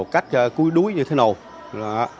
cách cuối đuối như thế nào